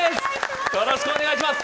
よろしくお願いします。